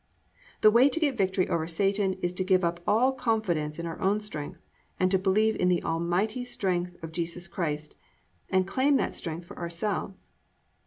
"+ _The way to get victory over Satan is to give up all confidence in our own strength and believe in the almighty strength of Jesus Christ and claim that strength for ourselves.